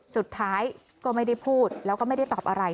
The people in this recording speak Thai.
สุดท้ายก็ไม่ได้พูดแล้วก็ไม่ได้ตอบอะไร